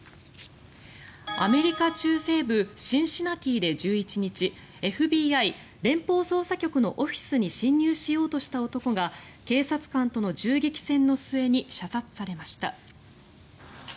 アメリカ中西部シンシナティで１１日ＦＢＩ・連邦捜査局のオフィスに侵入しようとした男が警察官との銃撃戦の末に射殺されました。